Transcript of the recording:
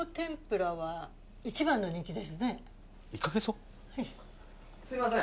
はい・すいません